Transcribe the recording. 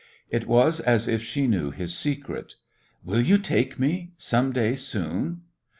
It was as if she knew his secret. "Will you take me some day soon?"